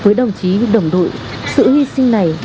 với đồng chí đồng đội sự hy sinh này